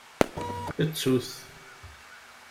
Ttu-t.